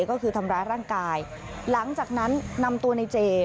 ก็คือทำร้ายร่างกายหลังจากนั้นนำตัวในเจ